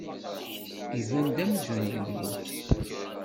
Iban-d amzun yemmut.